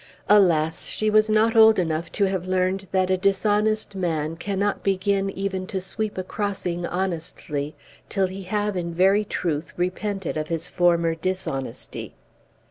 Alas! she was not old enough to have learned that a dishonest man cannot begin even to sweep a crossing honestly till he have in very truth repented of his former dishonesty.